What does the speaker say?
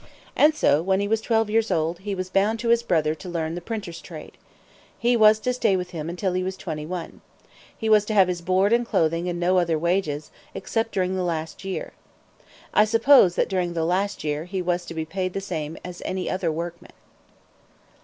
And so, when he was twelve years old, he was bound to his brother to learn the printer's trade. He was to stay with him until he was twenty one. He was to have his board and clothing and no other wages, except during the last year. I suppose that during the last year he was to be paid the same as any other workman.